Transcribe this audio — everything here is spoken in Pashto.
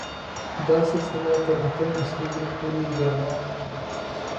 دا سلسله تر اتم اصلي ګروپ پورې ادامه مومي.